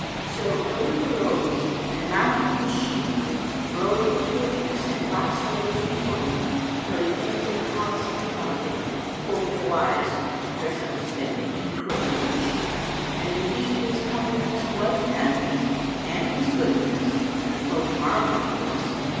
'" So Khalif arose and mounting his she mule, rode, with pages and black slaves before him, till he came to the Palace of the Caliphate. Quoth the wise, "Dress up a stick and 'twill look chique."[FN#296] And indeed his comeliness was manifest and his goodliness and the folk marvelled at this.